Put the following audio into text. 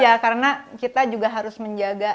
ya karena kita juga harus menjaga